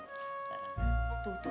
tuh tuh tuh tuh tuh